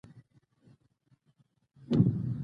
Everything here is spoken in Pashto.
ګوره کريمه که تا په جرګه باندې باور نه درلوده.